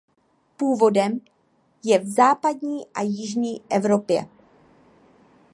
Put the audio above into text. Původem je v západní a jižní Evropě.